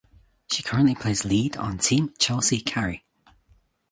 She currently plays lead on Team Chelsea Carey.